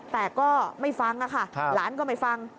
แต่ก็ไม่ฟังค่ะหลานก็ไม่ฟัง